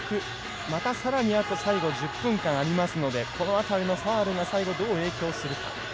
またさらに最後１０分間ありますのでこの辺りのファウルが最後どう影響するか。